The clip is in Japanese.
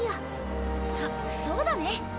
あっそうだね。